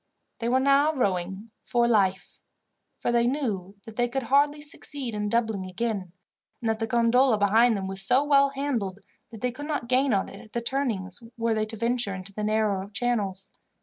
They were now rowing for life, for they knew that they could hardly succeed in doubling again, and that the gondola behind them was so well handled, that they could not gain on it at the turnings were they to venture into the narrow channels.